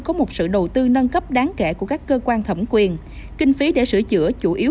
có một sự đầu tư nâng cấp đáng kể của các cơ quan thẩm quyền kinh phí để sửa chữa chủ yếu